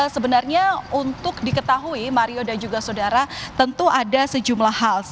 sebenarnya untuk diketahui mario dan juga saudara tentu ada sejumlah hal